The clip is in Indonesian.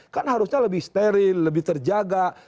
kan harusnya lebih steril lebih terjaga